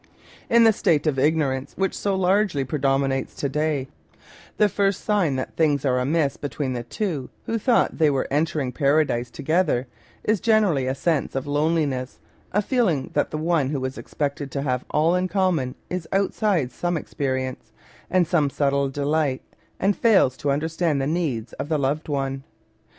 In the state of ignorance which so largely predomin ates to day, the first sign that things are amiss between the two who thought they were entering paradise to gether, is generally a sense of loneliness, a feeling that the one who was expected to have all in common is outside some experience, some subtle delight, and fails to understand the needs of the loved one.